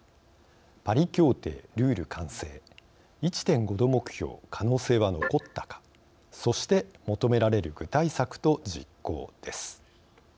パリ協定ルール完成１．５℃目標、可能性は残ったかそして求められる具体策と実行です。